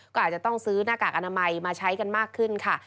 ก็อาจจะต้องซื้อหน้ากากอนามัยมาใช้กันมากขึ้นค่ะ